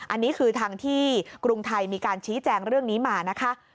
อันนี้คือทางที่กรุงไทยมีการชี้แจงเรื่องนี้มานะคะ